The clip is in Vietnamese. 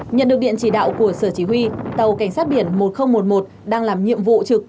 nhận được điện chỉ đạo của sở chỉ huy tàu cảnh sát biển một nghìn một mươi một đang làm nhiệm vụ trực